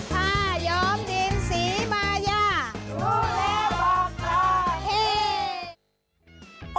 ผ้าย้อมดินสีมายารู้แล้วบอกต่อ